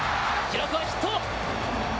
記録はヒット。